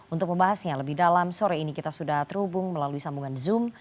untuk membahasnya lebih dalam sore ini kita sudah terhubung melalui sambungan zoom